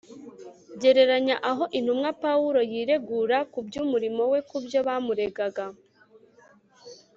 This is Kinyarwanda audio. Gereranya aho intumwa (Pawulo) yiregura ku by'umurimo we ku byo bamuregaga.